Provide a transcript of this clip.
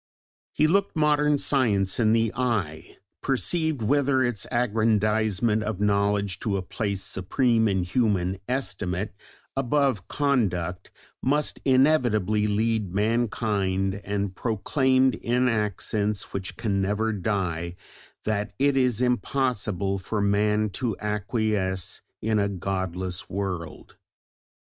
He looked modern Science in the eye, perceived whither its aggrandisement of knowledge to a place supreme in human estimate, above conduct, must inevitably lead mankind, and proclaimed, in accents which can never die, that it is impossible for man to acquiesce in a godless world.